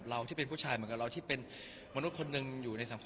เราอยากต่อสู้ทุกอย่าง